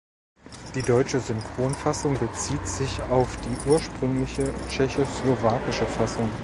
Die deutsche Synchronfassung bezieht sich auf die ursprüngliche tschechoslowakische Fassung.